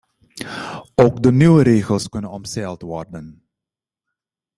Ook de nieuwe regels kunnen omzeild worden.